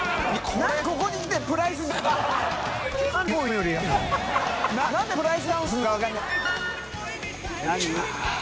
燭ここに来てプライスダウン？